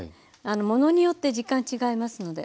ものによって時間違いますので。